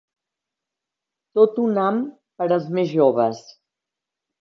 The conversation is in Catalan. Tot un ham per als més joves.